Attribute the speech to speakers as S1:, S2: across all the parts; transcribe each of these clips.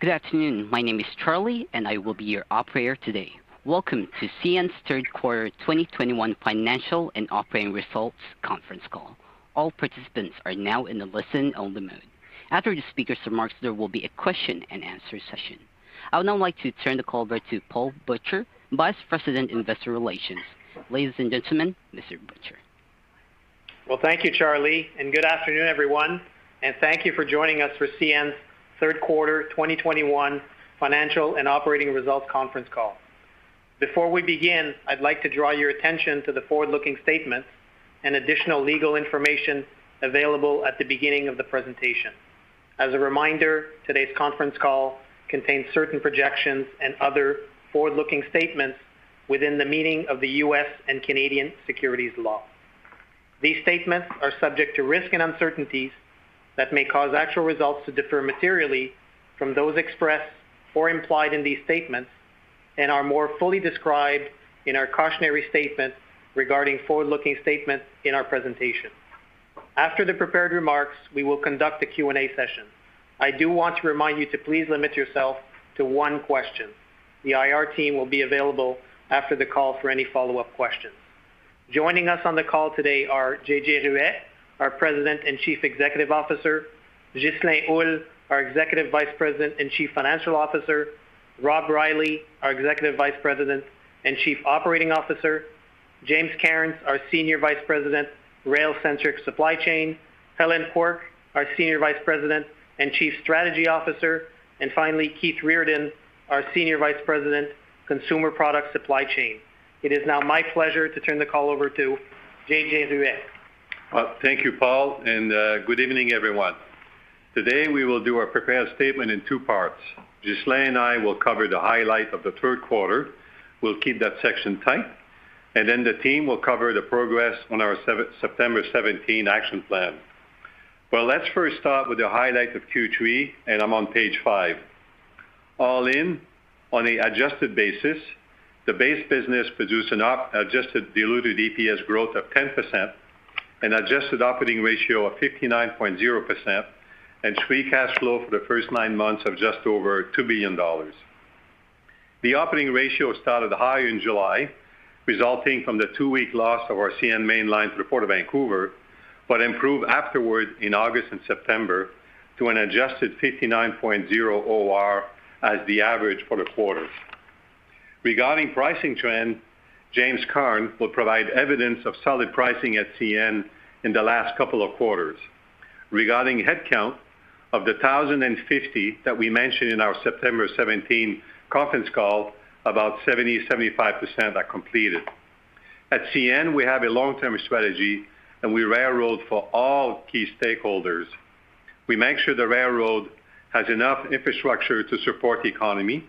S1: Good afternoon. My name is Charlie, and I will be your operator today. Welcome to CN's Third Quarter 2021 Financial and Operating Results Conference Call. All participants are now in the listen-only mode. After the speakers' remarks, there will be a question and answer session. I would now like to turn the call over to Paul Butcher, Vice President, Investor Relations. Ladies and gentlemen, Mr. Butcher.
S2: Well, thank you, Charlie. Good afternoon, everyone, and thank you for joining us for CN's Third Quarter 2021 Financial and Operating Results Conference Call. Before we begin, I'd like to draw your attention to the forward-looking statements and additional legal information available at the beginning of the presentation. As a reminder, today's conference call contains certain projections and other forward-looking statements within the meaning of the U.S. and Canadian securities law. These statements are subject to risks and uncertainties that may cause actual results to differ materially from those expressed or implied in these statements and are more fully described in our cautionary statement regarding forward-looking statements in our presentation. After the prepared remarks, we will conduct a Q&A session. I do want to remind you to please limit yourself to one question. The IR team will be available after the call for any follow-up questions. Joining us on the call today are JJ Ruest, our President and Chief Executive Officer, Ghislain Houle, our Executive Vice President and Chief Financial Officer, Rob Reilly, our Executive Vice President and Chief Operating Officer, James Cairns, our Senior Vice President, Rail-Centric Supply Chain, Helen Quirke, our Senior Vice President and Chief Strategy Officer, and finally, Keith Reardon, our Senior Vice President, Consumer Product Supply Chain. It is now my pleasure to turn the call over to JJ Ruest.
S3: Well, thank you, Paul, and good evening, everyone. Today, we will do our prepared statement in two parts. Ghislain and I will cover the highlight of the third quarter. We'll keep that section tight, the team will cover the progress on our September 17 action plan. Well, let's first start with the highlight of Q3, I'm on page five. All in, on the adjusted basis, the base business produced an adjusted diluted EPS growth of 10% and adjusted operating ratio of 59.0% and free cash flow for the first nine months of just over 2 billion dollars. The operating ratio started higher in July, resulting from the two-week loss of our CN main lines Port of Vancouver, improved afterwards in August and September to an adjusted 59.0 OR as the average for the quarter. Regarding pricing trend, James Cairns will provide evidence of solid pricing at CN in the last couple of quarters. Regarding headcount, of the 1,050 that we mentioned in our September 17 conference call, about 70%-75% are completed. At CN, we have a long-term strategy, and we railroad for all key stakeholders. We make sure the railroad has enough infrastructure to support the economy.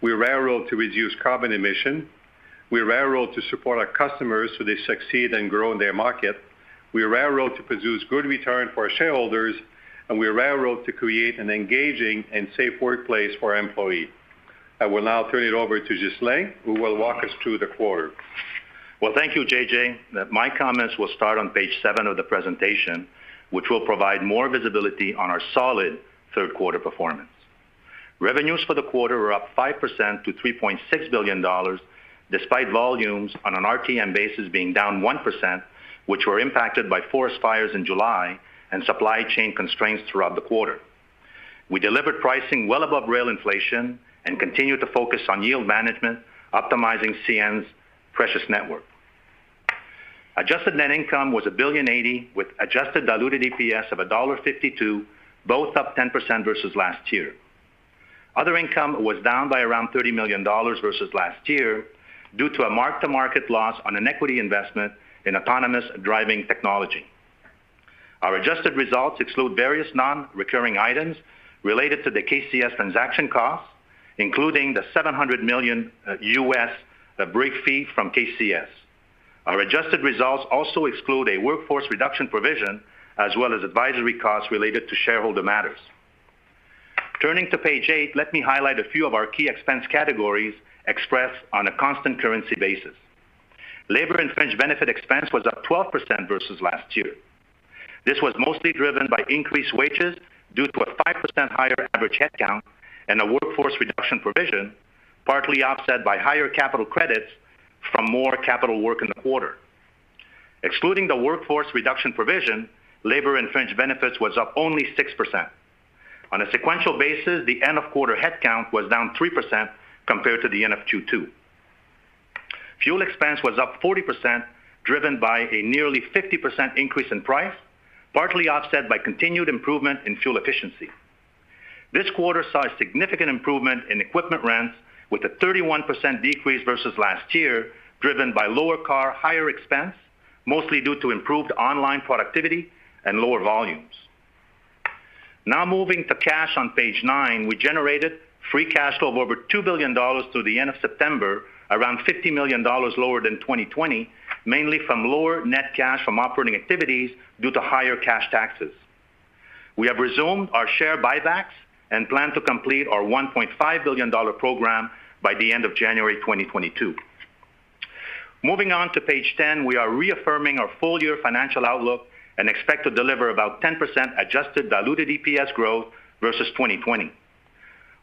S3: We railroad to reduce carbon emission. We railroad to support our customers so they succeed and grow in their market. We railroad to produce good return for our shareholders, and we railroad to create an engaging and safe workplace for our employees. I will now turn it over to Ghislain, who will walk us through the quarter.
S4: Well, thank you, JJ. My comments will start on page seven of the presentation, which will provide more visibility on our solid third quarter performance. Revenues for the quarter were up 5% to 3.6 billion dollars, despite volumes on an RTM basis being down 1%, which were impacted by forest fires in July and supply chain constraints throughout the quarter. We delivered pricing well above rail inflation and continued to focus on yield management, optimizing CN's precious network. Adjusted net income was 1.08 billion, with adjusted diluted EPS of dollar 1.52, both up 10% versus last year. Other income was down by around 30 million dollars versus last year due to a mark-to-market loss on an equity investment in autonomous driving technology. Our adjusted results exclude various non-recurring items related to the KCS transaction costs, including the $700 million U.S. break fee from KCS. Our adjusted results also exclude a workforce reduction provision as well as advisory costs related to shareholder matters. Turning to page eight, let me highlight a few of our key expense categories expressed on a constant currency basis. Labor and fringe benefit expense was up 12% versus last year. This was mostly driven by increased wages due to a 5% higher average headcount and a workforce reduction provision, partly offset by higher capital credits from more capital work in the quarter. Excluding the workforce reduction provision, labor and fringe benefits was up only 6%. On a sequential basis, the end-of-quarter headcount was down 3% compared to the end of Q2. Fuel expense was up 40%, driven by a nearly 50% increase in price, partly offset by continued improvement in fuel efficiency. This quarter saw a significant improvement in equipment rents with a 31% decrease versus last year, driven by lower car hire expense, mostly due to improved online productivity and lower volumes. Now moving to cash on page nine, we generated free cash flow of over 2 billion dollars through the end of September, around 50 million dollars lower than 2020, mainly from lower net cash from operating activities due to higher cash taxes. We have resumed our share buybacks and plan to complete our 1.5 billion dollar program by the end of January 2022. Moving on to page 10, we are reaffirming our full-year financial outlook and expect to deliver about 10% adjusted diluted EPS growth versus 2020.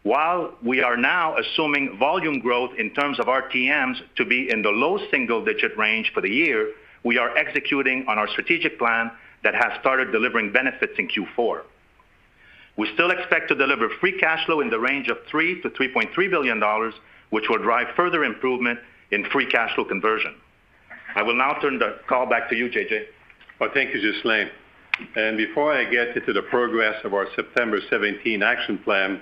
S4: While we are now assuming volume growth in terms of RTMs to be in the low single-digit range for the year, we are executing on our strategic plan that has started delivering benefits in Q4. We still expect to deliver free cash flow in the range of 3 billion-3.3 billion dollars, which will drive further improvement in free cash flow conversion. I will now turn the call back to you, J.J.
S3: Well, thank you, Ghislain. Before I get into the progress of our September 17 action plan,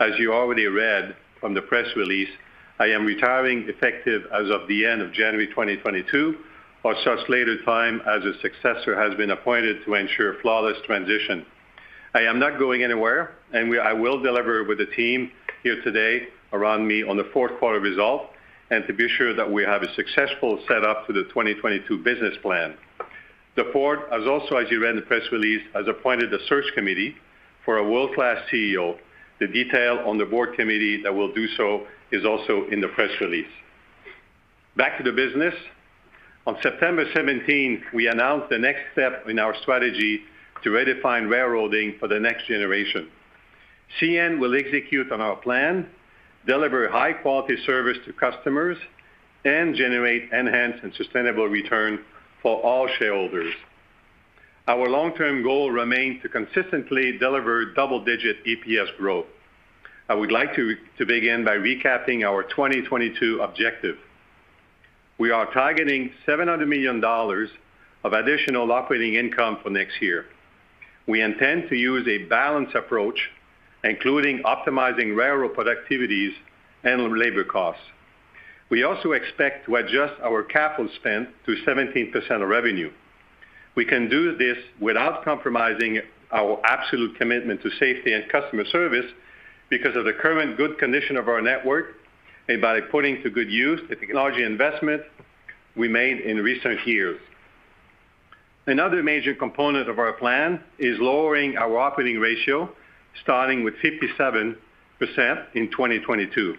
S3: as you already read from the press release, I am retiring effective as of the end of January 2022 or such later time as a successor has been appointed to ensure flawless transition. I am not going anywhere, and I will deliver with the team here today around me on the fourth quarter result and to be sure that we have a successful set up for the 2022 business plan. The board has also, as you read in the press release, has appointed a search committee for a world-class CEO. The detail on the board committee that will do so is also in the press release. Back to the business. On September 17, we announced the next step in our strategy to redefine railroading for the next generation. CN will execute on our plan, deliver high-quality service to customers, and generate enhanced and sustainable return for all shareholders. Our long-term goal remains to consistently deliver double-digit EPS growth. I would like to begin by recapping our 2022 objective. We are targeting 700 million dollars of additional operating income for next year. We intend to use a balanced approach, including optimizing railroad productivities and labor costs. We also expect to adjust our capital spend to 17% of revenue. We can do this without compromising our absolute commitment to safety and customer service because of the current good condition of our network and by putting to good use the technology investment we made in recent years. Another major component of our plan is lowering our operating ratio, starting with 57% in 2022.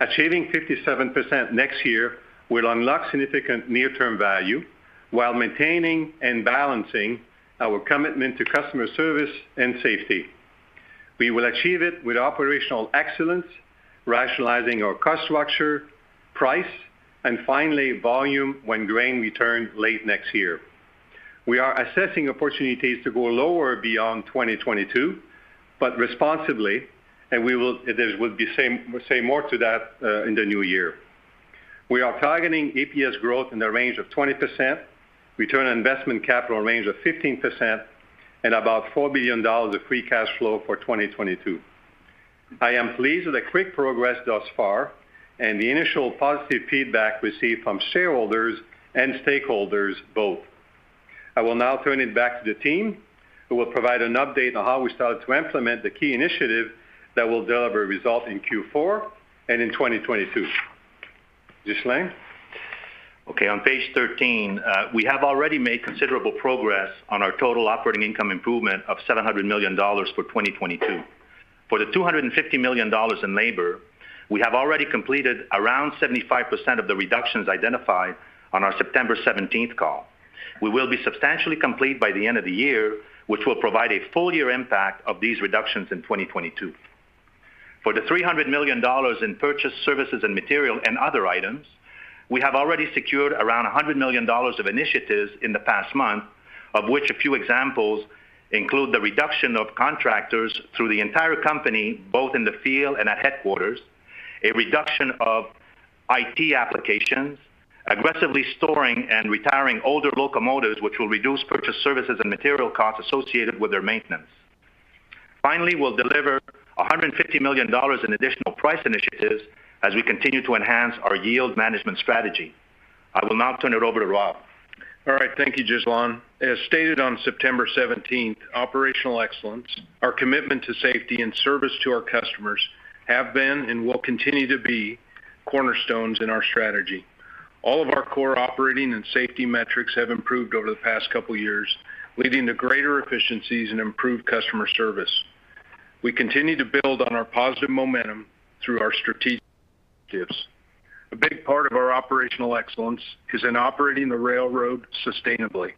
S3: Achieving 57% next year will unlock significant near-term value while maintaining and balancing our commitment to customer service and safety. We will achieve it with operational excellence, rationalizing our cost structure, price, and finally, volume when grain returns late next year. We are assessing opportunities to go lower beyond 2022, but responsibly, and we will say more to that in the new year. We are targeting EPS growth in the range of 20%, return on investment capital range of 15%, and about 4 billion dollars of free cash flow for 2022. I am pleased with the quick progress thus far and the initial positive feedback received from shareholders and stakeholders both. I will now turn it back to the team, who will provide an update on how we started to implement the key initiative that will deliver results in Q4 and in 2022. Ghislain.
S4: Okay, on page 13, we have already made considerable progress on our total operating income improvement of 700 million dollars for 2022. For the 250 million dollars in labor, we have already completed around 75% of the reductions identified on our September 17th call. We will be substantially complete by the end of the year, which will provide a full-year impact of these reductions in 2022. For the 300 million dollars in purchase services and material and other items, we have already secured around 100 million dollars of initiatives in the past month, of which a few examples include the reduction of contractors through the entire company, both in the field and at headquarters, a reduction of IT applications, aggressively storing and retiring older locomotives, which will reduce purchase services and material costs associated with their maintenance. Finally, we'll deliver 150 million dollars in additional price initiatives as we continue to enhance our yield management strategy. I will now turn it over to Rob.
S5: All right, thank you, Ghislain. As stated on September 17th, operational excellence, our commitment to safety and service to our customers have been and will continue to be cornerstones in our strategy. All of our core operating and safety metrics have improved over the past couple years, leading to greater efficiencies and improved customer service. We continue to build on our positive momentum through our strategic initiatives. A big part of our operational excellence is in operating the railroad sustainably.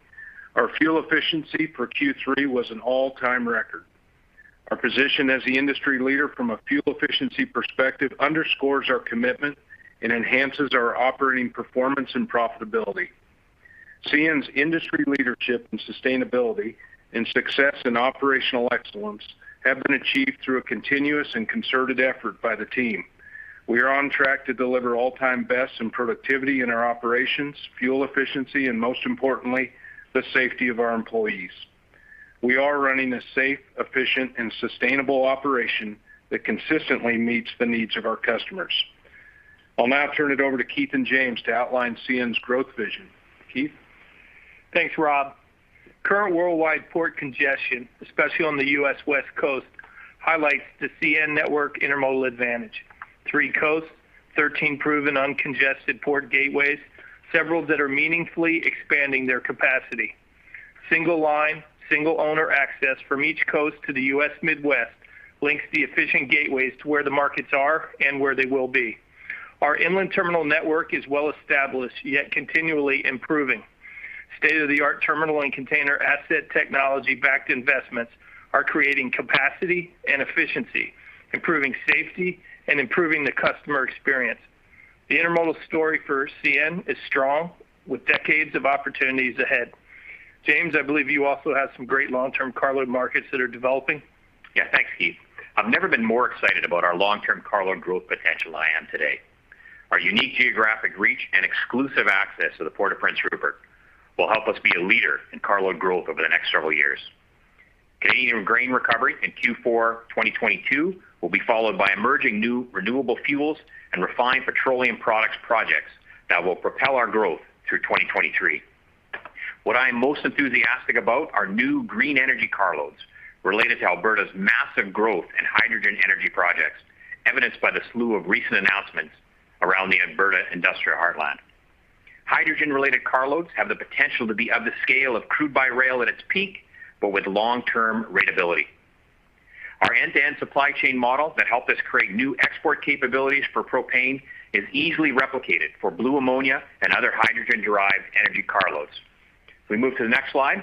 S5: Our fuel efficiency for Q3 was an all-time record. Our position as the industry leader from a fuel efficiency perspective underscores our commitment and enhances our operating performance and profitability. CN's industry leadership and sustainability and success in operational excellence have been achieved through a continuous and concerted effort by the team. We are on track to deliver all-time bests in productivity in our operations, fuel efficiency, and most importantly, the safety of our employees. We are running a safe, efficient, and sustainable operation that consistently meets the needs of our customers. I'll now turn it over to Keith and James to outline CN's growth vision. Keith.
S6: Thanks, Rob. Current worldwide port congestion, especially on the U.S. West Coast, highlights the CN network intermodal advantage. Three coasts, 13 proven uncongested port gateways, several that are meaningfully expanding their capacity. Single line, single owner access from each coast to the U.S. Midwest links the efficient gateways to where the markets are and where they will be. Our inland terminal network is well established, yet continually improving. State-of-the-art terminal and container asset technology-backed investments are creating capacity and efficiency, improving safety, and improving the customer experience. The intermodal story for CN is strong, with decades of opportunities ahead. James, I believe you also have some great long-term carload markets that are developing.
S7: Yeah, thanks, Keith. I've never been more excited about our long-term carload growth potential than I am today. Our unique geographic reach and exclusive access to the Port of Prince Rupert will help us be a leader in carload growth over the next several years. Canadian grain recovery in Q4 2022 will be followed by emerging new renewable fuels and refined petroleum products projects that will propel our growth through 2023. What I am most enthusiastic about are new green energy carloads related to Alberta's massive growth in hydrogen energy projects, evidenced by the slew of recent announcements around the Alberta industrial heartland. Hydrogen-related carloads have the potential to be of the scale of crude by rail at its peak, but with long-term ratability. Our end-to-end supply chain model that helped us create new export capabilities for propane is easily replicated for blue ammonia and other hydrogen-derived energy carloads. Can we move to the next slide?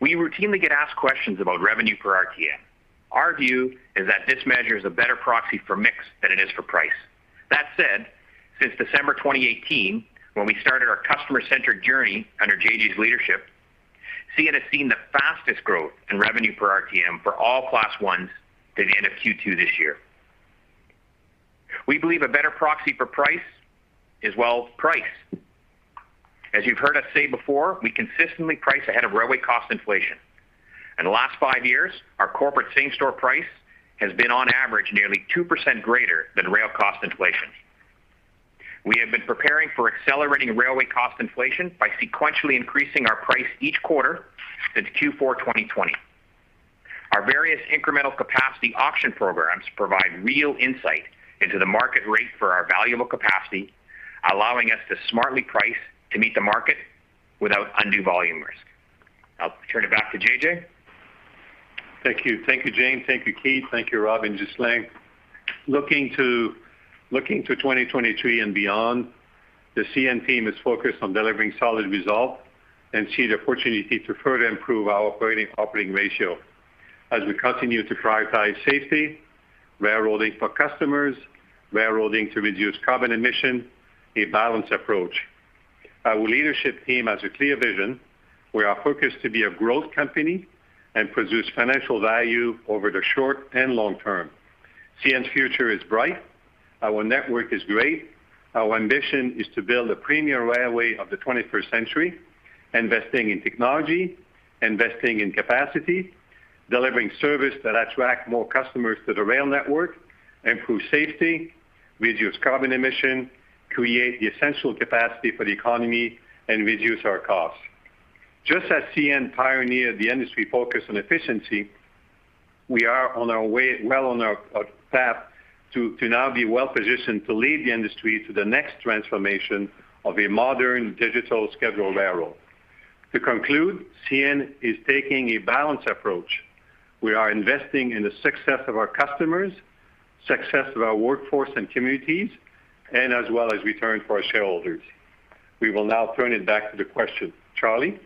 S7: We routinely get asked questions about revenue per RTM. Our view is that this measure is a better proxy for mix than it is for price. That said, since December 2018, when we started our customer-centric journey under JJ's leadership, CN has seen the fastest growth in revenue per RTM for all Class I through the end of Q2 this year. We believe a better proxy for price is, well, price. As you've heard us say before, we consistently price ahead of railway cost inflation. In the last five years, our corporate same-store price has been on average nearly 2% greater than rail cost inflation. We have been preparing for accelerating railway cost inflation by sequentially increasing our price each quarter since Q4 2020. Our various incremental capacity auction programs provide real insight into the market rate for our valuable capacity, allowing us to smartly price to meet the market without undue volume risk. I will turn it back to J.J.
S3: Thank you. Thank you, James. Thank you, Keith. Thank you, Rob and Ghislain. Looking to 2023 and beyond, the CN team is focused on delivering solid results and sees the opportunity to further improve our operating ratio as we continue to prioritize safety, railroading for customers, railroading to reduce carbon emission, a balanced approach. Our leadership team has a clear vision. We are focused to be a growth company and produce financial value over the short and long term. CN's future is bright. Our network is great. Our ambition is to build a premier railway of the 21st century, investing in technology, investing in capacity, delivering service that attracts more customers to the rail network, improves safety, reduces carbon emission, creates the essential capacity for the economy, and reduces our costs. Just as CN pioneered the industry focus on efficiency, we are well on our path to now be well-positioned to lead the industry to the next transformation of a modern digital scheduled railroad. To conclude, CN is taking a balanced approach. We are investing in the success of our customers, success of our workforce and communities, and as well as return for our shareholders. We will now turn it back to the questions. Charlie?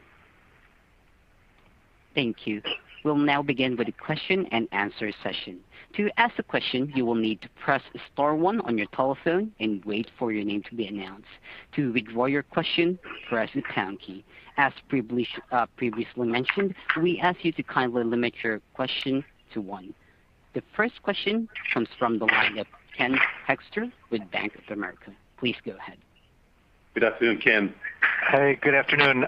S1: Thank you. We will now begin with the question and answer session. To ask a question, you will need to press star one on your telephone and wait for your name to be announced. To withdraw your question, press the pound key. As previously mentioned, we ask you to kindly limit your question to one. The first question comes from the line of Ken Hoexter with Bank of America. Please go ahead.
S3: Good afternoon, Ken.
S8: Hey, good afternoon.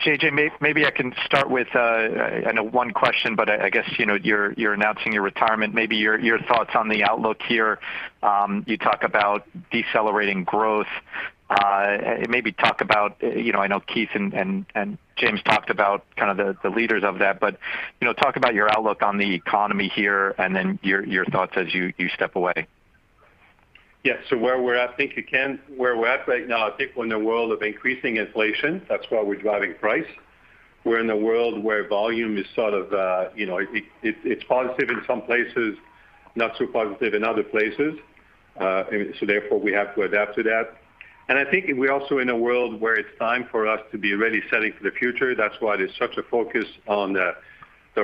S8: JJ, maybe I can start with, I know one question, but I guess you're announcing your retirement, maybe your thoughts on the outlook here. You talk about decelerating growth. Maybe talk about, I know Keith and James talked about the leaders of that, but talk about your outlook on the economy here and then your thoughts as you step away.
S3: Where we're at, thank you, Ken. Where we're at right now, I think we're in a world of increasing inflation. That's why we're driving price. We're in a world where volume is positive in some places, not so positive in other places. Therefore, we have to adapt to that. I think we're also in a world where it's time for us to be really setting for the future. That's why there's such a focus on the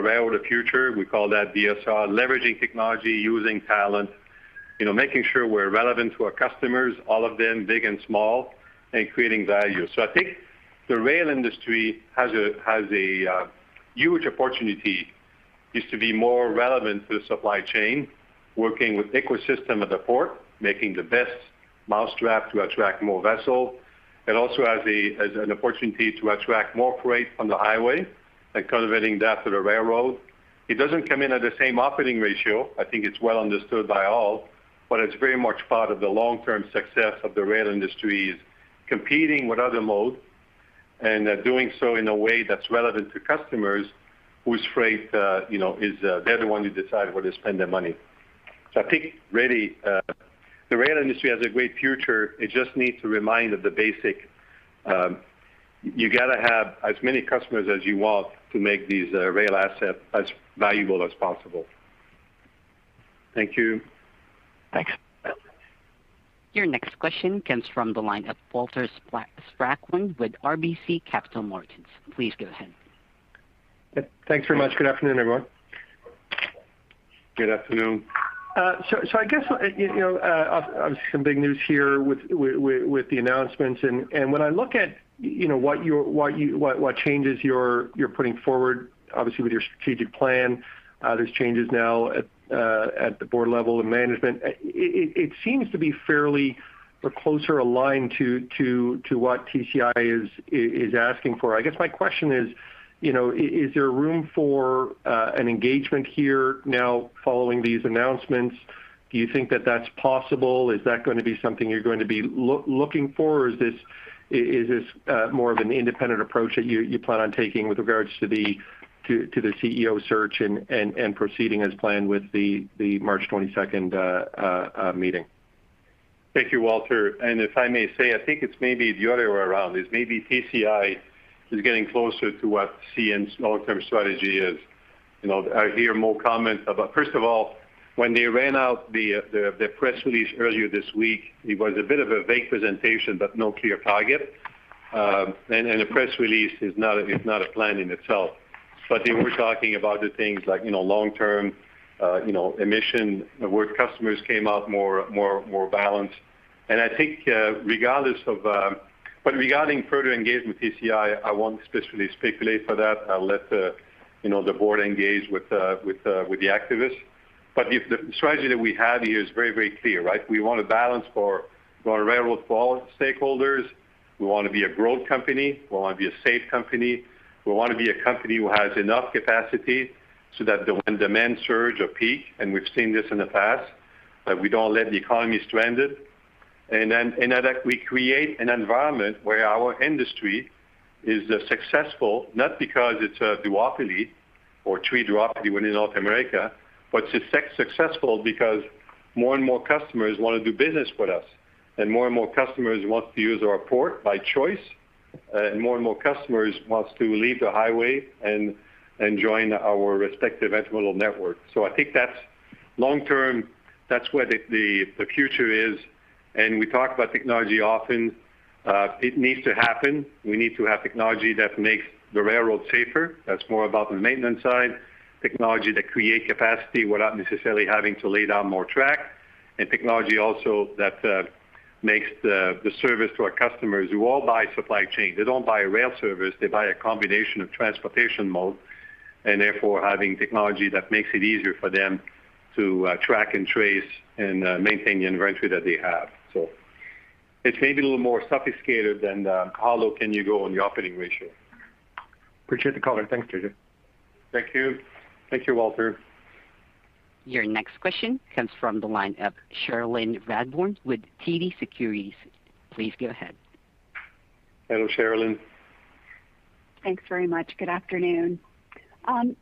S3: rail of the future. We call that DSR. Leveraging technology, using talent, making sure we're relevant to our customers, all of them, big and small, and creating value. I think the rail industry has a huge opportunity is to be more relevant to the supply chain, working with ecosystem at the port, making the best mousetrap to attract more vessels. It also has an opportunity to attract more freight from the highway and converting that to the railroad. It doesn't come in at the same operating ratio, I think it's well understood by all, but it's very much part of the long-term success of the rail industry is competing with other modes and doing so in a way that's relevant to customers. They're the one who decide where to spend their money. I think really, the rail industry has a great future. It just needs to remind of the basic, you got to have as many customers as you want to make these rail assets as valuable as possible. Thank you.
S8: Thanks.
S1: Your next question comes from the line of Walter Spracklin with RBC Capital Markets. Please go ahead.
S9: Thanks very much. Good afternoon, everyone.
S3: Good afternoon.
S9: I guess, obviously some big news here with the announcements and when I look at what changes you're putting forward, obviously with your strategic plan, there's changes now at the board level and management. It seems to be fairly or closer aligned to what TCI is asking for. I guess my question is there room for an engagement here now following these announcements? Do you think that that's possible? Is that going to be something you're going to be looking for, or is this more of an independent approach that you plan on taking with regards to the CEO search and proceeding as planned with the March 22nd meeting?
S3: Thank you, Walter. If I may say, I think it's maybe the other way around. Is maybe TCI is getting closer to what CN's long-term strategy is. I hear more comments. First of all, when they ran out the press release earlier this week, it was a bit of a vague presentation, but no clear target. The press release is not a plan in itself. They were talking about the things like long-term emission. The word customers came up more balanced. Regarding further engagement with TCI, I won't specifically speculate for that. I'll let the board engage with the activists. The strategy that we have here is very clear, right? We want a balance for our railroad stakeholders. We want to be a growth company. We want to be a safe company. We want to be a company who has enough capacity so that when demand surge or peak, and we've seen this in the past, that we don't let the economy stranded. That we create an environment where our industry is successful, not because it's a duopoly or tri-duopoly when in North America, but successful because more and more customers want to do business with us, and more and more customers want to use our port by choice, and more and more customers wants to leave the highway and join our respective intermodal network. I think that's long-term, that's where the future is. We talk about technology often. It needs to happen. We need to have technology that makes the railroad safer. That's more about the maintenance side. Technology that create capacity without necessarily having to lay down more track. Technology also that makes the service to our customers, who all buy supply chain. They don't buy a rail service. They buy a combination of transportation mode. Therefore, having technology that makes it easier for them to track and trace and maintain the inventory that they have. It's maybe a little more sophisticated than how low can you go on the operating ratio.
S9: Appreciate the color. Thanks, JJ.
S3: Thank you. Thank you, Walter.
S1: Your next question comes from the line of Cherilyn Radbourne with TD Securities. Please go ahead.
S3: Hello, Cherilyn.
S10: Thanks very much. Good afternoon.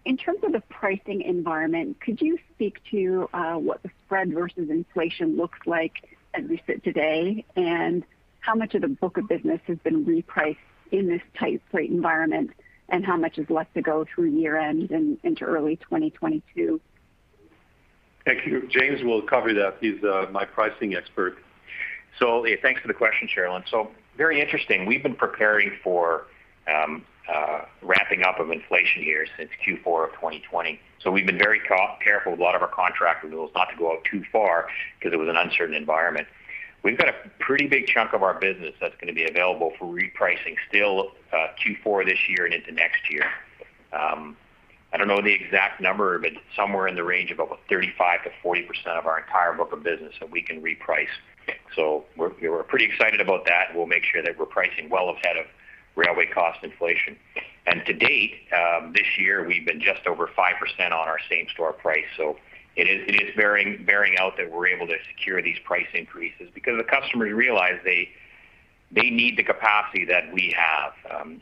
S10: In terms of the pricing environment, could you speak to what the spread versus inflation looks like as we sit today, and how much of the book of business has been repriced in this tight freight environment, and how much is left to go through year-end and into early 2022?
S3: Thank you. James will cover that. He's my pricing expert.
S7: Thanks for the question, Cherilyn. Very interesting. We've been preparing for ramping up of inflation here since Q4 of 2020. We've been very careful with a lot of our contract renewals not to go out too far because it was an uncertain environment. We've got a pretty big chunk of our business that's going to be available for repricing still, Q4 this year and into next year. I don't know the exact number, but somewhere in the range of about 35%-40% of our entire book of business that we can reprice. We're pretty excited about that, and we'll make sure that we're pricing well ahead of railway cost inflation. To date, this year, we've been just over 5% on our same-store price. It is bearing out that we're able to secure these price increases because the customers realize they need the capacity that we have.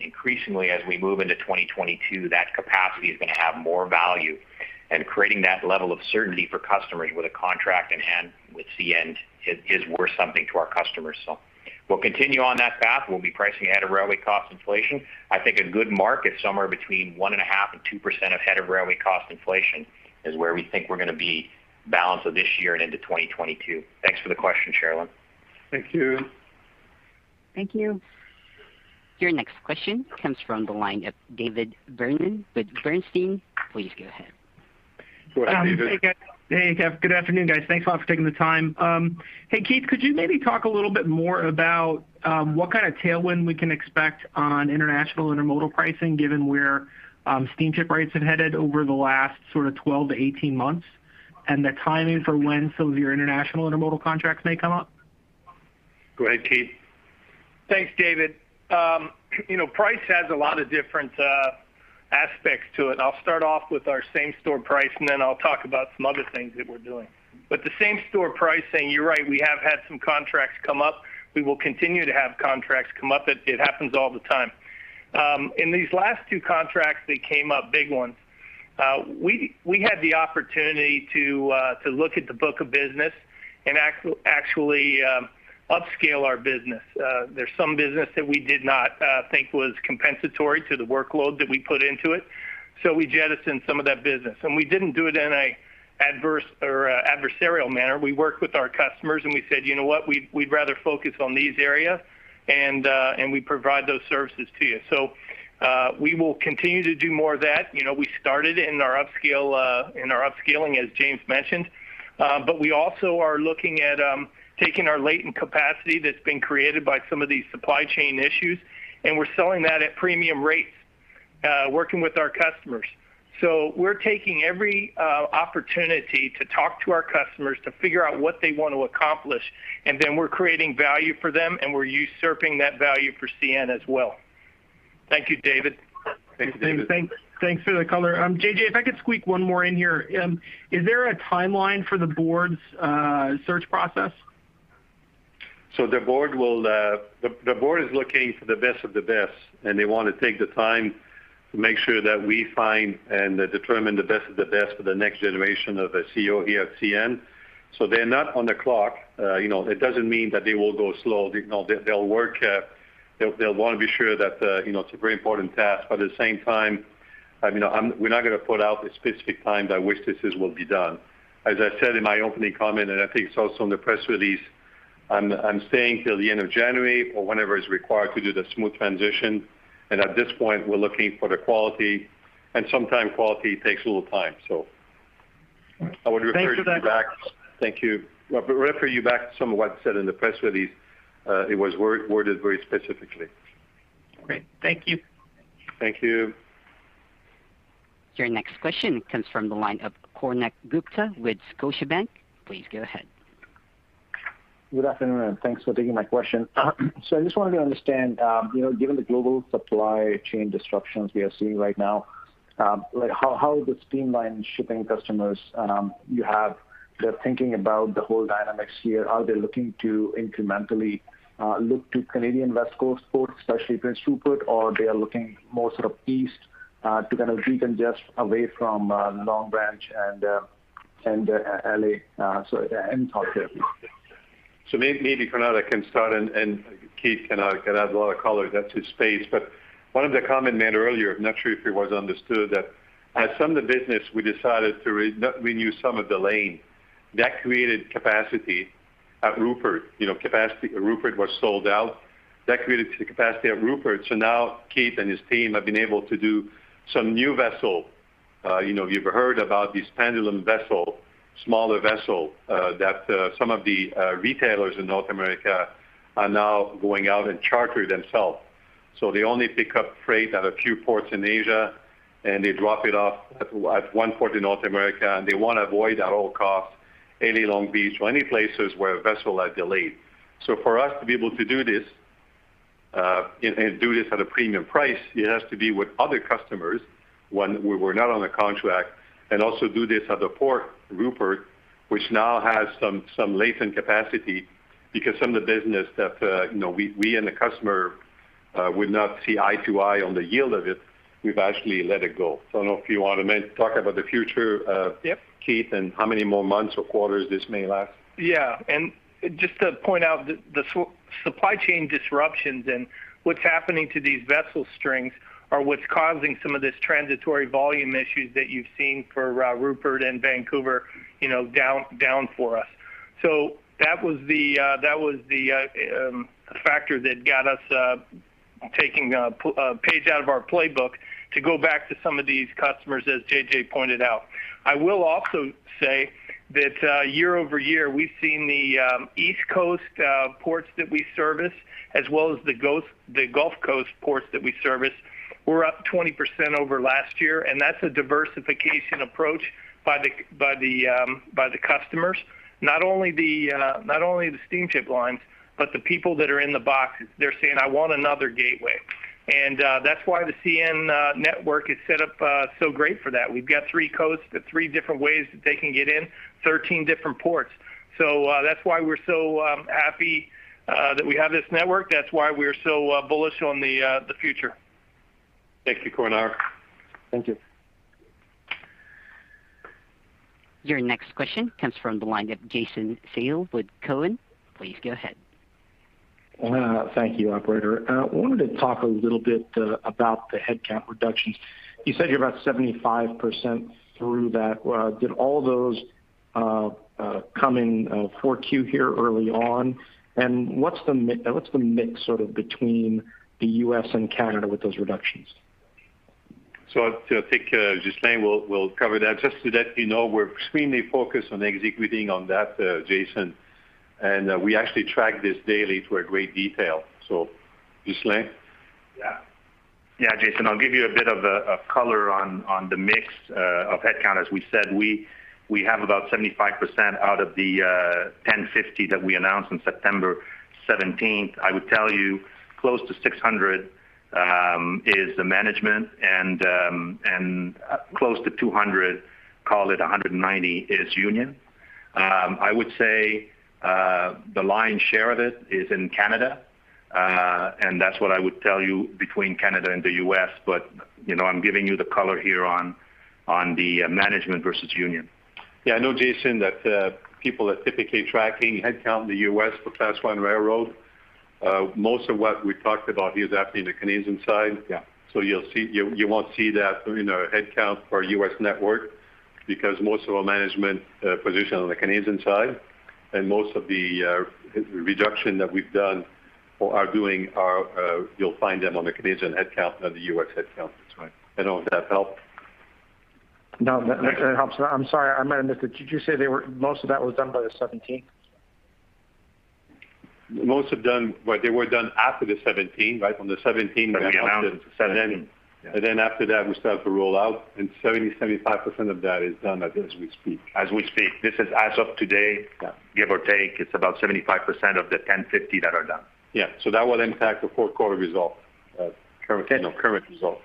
S7: Increasingly, as we move into 2022, that capacity is going to have more value. Creating that level of certainty for customers with a contract in hand with CN is worth something to our customers. We'll continue on that path. We'll be pricing ahead of railway cost inflation. I think a good market, somewhere between 1.5%-2% ahead of railway cost inflation is where we think we're going to be balance of this year and into 2022. Thanks for the question, Cherilyn.
S3: Thank you.
S10: Thank you.
S1: Your next question comes from the line of David Vernon with Bernstein. Please go ahead.
S3: Go ahead, David.
S11: Hey. Good afternoon, guys. Thanks a lot for taking the time. Hey, Keith, could you maybe talk a little bit more about what kind of tailwind we can expect on international intermodal pricing, given where steamship rates have headed over the last sort of 12-18 months, and the timing for when some of your international intermodal contracts may come up?
S3: Go ahead, Keith.
S6: Thanks, David. Price has a lot of different aspects to it, and I'll start off with our same-store price, and then I'll talk about some other things that we're doing. The same-store pricing, you're right, we have had some contracts come up. We will continue to have contracts come up. It happens all the time. In these last two contracts that came up, big ones, we had the opportunity to look at the book of business and actually upscale our business. There's some business that we did not think was compensatory to the workload that we put into it, so we jettisoned some of that business. We didn't do it in an adversarial manner. We worked with our customers, and we said, "You know what? We'd rather focus on these areas, and we provide those services to you." We will continue to do more of that. We started in our upscaling, as James mentioned. We also are looking at taking our latent capacity that's been created by some of these supply chain issues, and we're selling that at premium rates, working with our customers. We're taking every opportunity to talk to our customers to figure out what they want to accomplish, and then we're creating value for them, and we're usurping that value for CN as well. Thank you, David.
S3: Thank you, David.
S11: Thanks for the color. JJ, if I could squeak one more in here. Is there a timeline for the board's search process?
S3: The board is looking for the best of the best, and they want to take the time to make sure that we find and determine the best of the best for the next generation of a CEO here at CN. They're not on the clock. It doesn't mean that they will go slow. They'll want to be sure that it's a very important task, but at the same time, we're not going to put out a specific time that witnesses will be done. As I said in my opening comment, and I think it's also in the press release, I'm staying till the end of January or whenever is required to do the smooth transition. At this point, we're looking for the quality, and sometimes quality takes a little time.
S11: Thank you.
S3: Thank you. I'll refer you back to some of what's said in the press release. It was worded very specifically.
S11: Great. Thank you.
S3: Thank you.
S1: Your next question comes from the line of Konark Gupta with Scotiabank. Please go ahead.
S12: Good afternoon, thanks for taking my question. I just wanted to understand, given the global supply chain disruptions we are seeing right now, how the steamship line shipping customers you have, they're thinking about the whole dynamics here. Are they looking to incrementally look to Canadian West Coast ports, especially Prince Rupert, or they are looking more sort of east to kind of decongest away from Long Beach and L.A.? Any thoughts there, please.
S3: Maybe Konark can start, Keith can add a lot of color. That's his space. One of the comment made earlier, I'm not sure if it was understood, that at some of the business, we decided to renew some of the lane. That created capacity at Rupert. Rupert was sold out. That created the capacity at Rupert. Now Keith and his team have been able to do some new vessel. You've heard about these pendulum vessel, smaller vessel, that some of the retailers in North America are now going out and charter themselves. They only pick up freight at a few ports in Asia, and they drop it off at one port in North America, and they want to avoid at all costs any Long Beach or any places where a vessel are delayed. For us to be able to do this, and do this at a premium price, it has to be with other customers, one, we're not on a contract, and also do this at the Port Rupert, which now has some latent capacity because some of the business that we and the customer would not see eye to eye on the yield of it, we've actually let it go. I don't know if you want to talk about the future.
S6: Yep.
S3: Keith, how many more months or quarters this may last.
S6: Yeah. Just to point out, the supply chain disruptions and what's happening to these vessel strings are what's causing some of this transitory volume issues that you've seen for Rupert and Vancouver down for us. That was the factor that got us taking a page out of our playbook to go back to some of these customers, as JJ pointed out. I will also say that year-over-year, we've seen the East Coast ports that we service as well as the Gulf Coast ports that we service were up 20% over last year, and that's a diversification approach by the customers. Not only the steamship lines, but the people that are in the boxes, they're saying, "I want another gateway." That's why the CN network is set up so great for that. We've got three coasts at three different ways that they can get in 13 different ports. That's why we're so happy that we have this network. That's why we're so bullish on the future.
S3: Thank you, Konark.
S12: Thank you.
S1: Your next question comes from the line of Jason Seidl with Cowen. Please go ahead.
S13: Thank you, operator. I wanted to talk a little bit about the headcount reductions. You said you're about 75% through that. Did all those come in 4Q here early on, and what's the mix sort of between the U.S. and Canada with those reductions?
S3: I think Ghislain will cover that. Just to let you know, we're extremely focused on executing on that, Jason, and we actually track this daily to a great detail. Ghislain?
S4: Jason, I'll give you a bit of color on the mix of headcount. As we said, we have about 75% out of the 1,050 that we announced on September 17th. I would tell you close to 600 is the management and close to 200, call it 190, is union. I would say the lion's share of it is in Canada. That's what I would tell you between Canada and the U.S. I'm giving you the color here on the management versus union.
S3: Yeah, I know, Jason, that people are typically tracking headcount in the U.S. for Class I railroad. Most of what we talked about here is actually the Canadian side.
S4: Yeah.
S3: You won't see that in our headcount for our U.S. network because most of our management position are on the Canadian side, and most of the reduction that we've done or are doing, you'll find them on the Canadian headcount than the U.S. headcount.
S4: That's right.
S3: I don't know if that helped.
S13: No, that helps. I'm sorry. I might have missed it. Did you say most of that was done by the 17th?
S3: Most of them, they were done after the 17th.
S4: Right.
S3: On the 17th.
S4: When we announced it, the 17th. Yeah.
S3: Then after that, we started to roll out, and 70%, 75% of that is done as we speak.
S4: As we speak. This is as of today.
S3: Yeah.
S4: Give or take, it's about 75% of the 1,050 that are done.
S3: Yeah. That will impact the fourth quarter result.
S4: Current.
S3: Current result.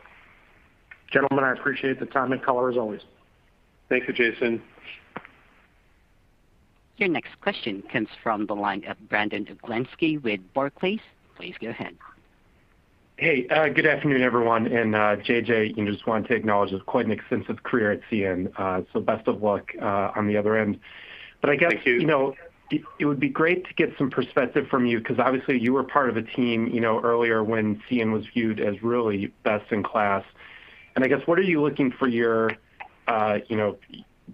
S13: Gentlemen, I appreciate the time and color as always.
S3: Thank you, Jason.
S1: Your next question comes from the line of Brandon Oglenski with Barclays. Please go ahead.
S14: Hey, good afternoon, everyone. JJ, just wanted to acknowledge it was quite an extensive career at CN, so best of luck on the other end.
S3: Thank you.
S14: I guess, it would be great to get some perspective from you because obviously you were part of a team earlier when CN was viewed as really best in class. I guess, what are you looking for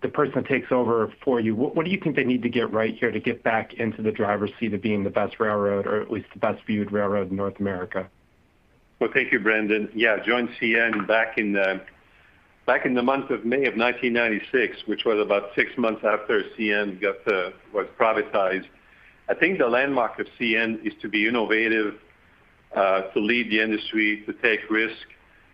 S14: the person that takes over for you? What do you think they need to get right here to get back into the driver's seat of being the best railroad or at least the best-viewed railroad in North America?
S3: Well, thank you, Brandon. Yeah, I joined CN back in the month of May of 1996, which was about six months after CN was privatized. I think the landmark of CN is to be innovative, to lead the industry, to take risks,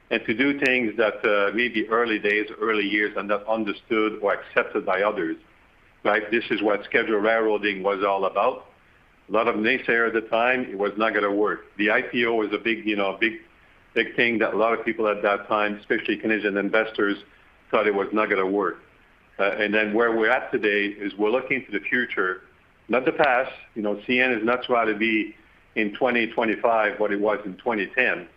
S3: and to do things that maybe early days or early years are not understood or accepted by others. This is what scheduled railroading was all about. A lot of naysayers at the time, it was not going to work. The IPO was a big thing that a lot of people at that time, especially Canadian investors, thought it was not going to work. Where we're at today is we're looking to the future, not the past. CN is not trying to be in 2025 what it was in 2010.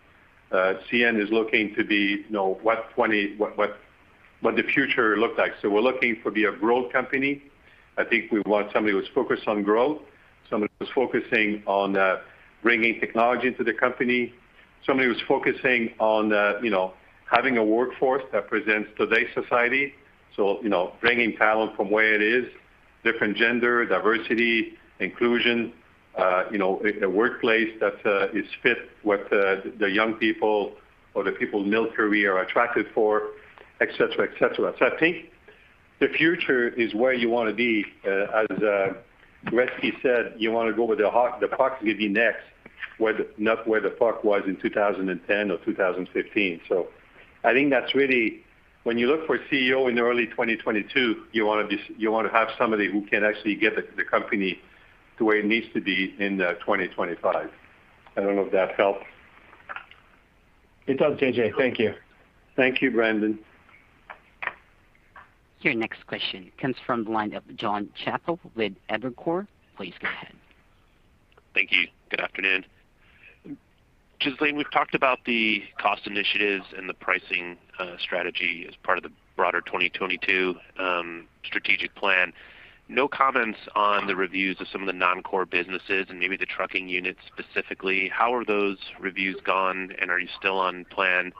S3: CN is looking to be what the future looks like. We're looking for be a growth company. I think we want somebody who's focused on growth, someone who's focusing on bringing technology into the company, somebody who's focusing on having a workforce that presents today's society. Bringing talent from where it is, different gender, diversity, inclusion, a workplace that is fit with the young people or the people middle career are attracted for, et cetera. I think the future is where you want to be. As Gretzky said, you want to go where the puck is going to be next, not where the puck was in 2010 or 2015. I think when you look for a CEO in early 2022, you want to have somebody who can actually get the company to where it needs to be in 2025. I don't know if that helped.
S14: It does, JJ. Thank you.
S3: Thank you, Brandon.
S1: Your next question comes from the line of Jonathan Chappell with Evercore. Please go ahead.
S15: Thank you. Good afternoon. Ghislain, we've talked about the cost initiatives and the pricing strategy as part of the broader 2022 Strategic Plan. No comments on the reviews of some of the non-core businesses and maybe the trucking unit specifically. How are those reviews gone, and are you still on plan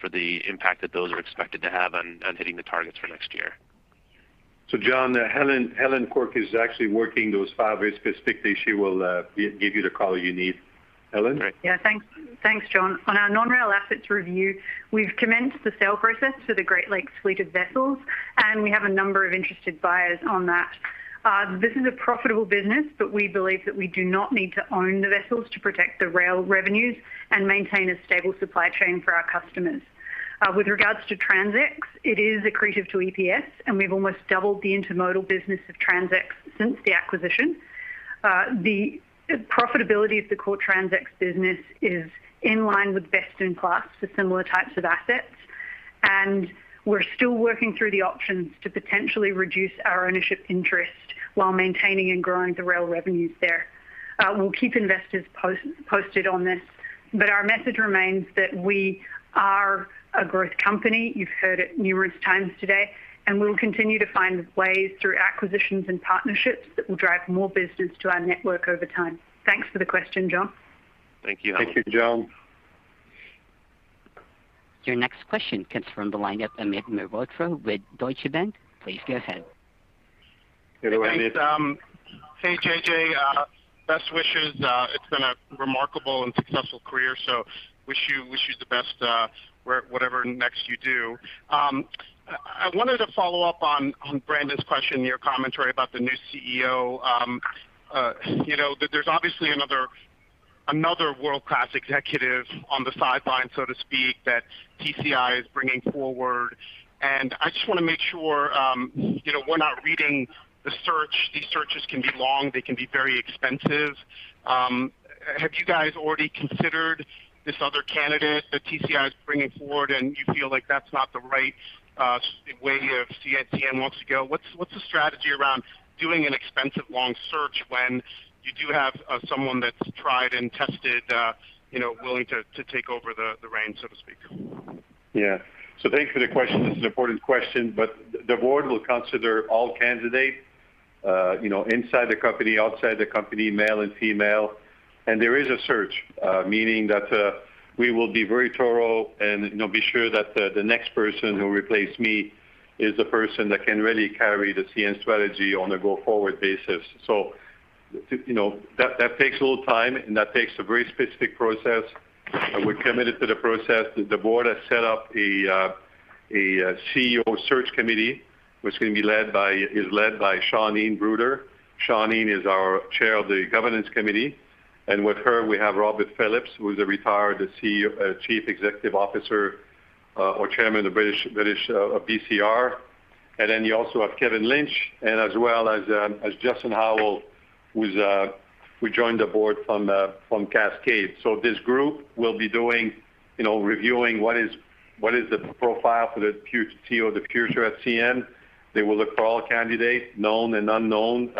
S15: for the impact that those are expected to have on hitting the targets for next year?
S3: John, Helen Quirke is actually working those five very specifically. She will give you the color you need. Helen?
S16: Thanks, John. Our non-rail assets review, we've commenced the sale process for the Great Lakes fleet of vessels, and we have a number of interested buyers on that. This is a profitable business, we believe that we do not need to own the vessels to protect the rail revenues and maintain a stable supply chain for our customers. With regards to TransX, it is accretive to EPS, we've almost doubled the intermodal business of TransX since the acquisition. The profitability of the core TransX business is in line with best in class for similar types of assets, we're still working through the options to potentially reduce our ownership interest while maintaining and growing the rail revenues there. We'll keep investors posted on this, our message remains that we are a growth company. You've heard it numerous times today, and we'll continue to find ways through acquisitions and partnerships that will drive more business to our network over time. Thanks for the question, John.
S15: Thank you, Helen.
S3: Thank you, Jon.
S1: Your next question comes from the line of Amit Mehrotra with Deutsche Bank. Please go ahead.
S3: Hello, Amit.
S17: Thanks. Hey, JJ. Best wishes. It's been a remarkable and successful career, so wish you the best whatever next you do. I wanted to follow up on Brandon's question, your commentary about the new CEO. There's obviously another world-class executive on the sideline, so to speak, that TCI is bringing forward, and I just want to make sure we're not reading the search. These searches can be long. They can be very expensive. Have you guys already considered this other candidate that TCI is bringing forward, and you feel like that's not the right way of CN wants to go? What's the strategy around doing an expensive long search when you do have someone that's tried and tested, willing to take over the reins, so to speak?
S3: Yeah. Thank you for the question. It's an important question. The board will consider all candidates inside the company, outside the company, male and female. There is a search, meaning that we will be very thorough and be sure that the next person who replace me is the person that can really carry the CN strategy on a go-forward basis. That takes a little time, and that takes a very specific process, and we're committed to the process. The board has set up a CEO search committee, which is led by Shauneen Bruder. Shauneen is our Chair of the governance committee. With her, we have Robert Phillips, who's a retired Chief Executive Officer, or Chairman of BCR. You also have Kevin Lynch, as well as Justin Howell, who joined the board from Cascade. This group will be reviewing what is the profile for the future CEO, the future of CN. They will look for all candidates, known and unknown.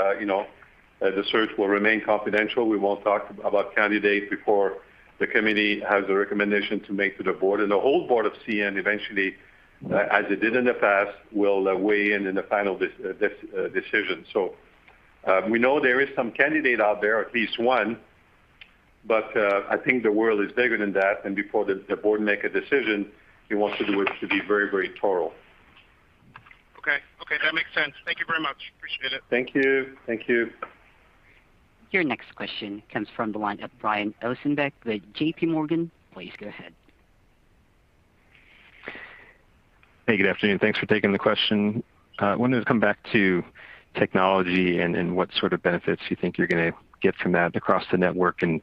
S3: The search will remain confidential. We won't talk about candidates before the committee has a recommendation to make to the board. The whole board of CN eventually, as it did in the past, will weigh in in the final decision. We know there is some candidate out there, at least one, but I think the world is bigger than that, and before the board make a decision, we want to do it to be very thorough.
S17: Okay. That makes sense. Thank you very much. Appreciate it.
S3: Thank you.
S1: Your next question comes from the line of Brian Ossenbeck with JPMorgan. Please go ahead.
S18: Hey, good afternoon. Thanks for taking the question. I wanted to come back to technology and what sort of benefits you think you're going to get from that across the network and